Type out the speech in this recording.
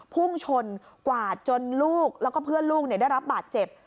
พุ่งชนกวาดจนลูกแล้วก็เพื่อนลูกได้รับบาดเจ็บ